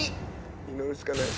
祈るしかない！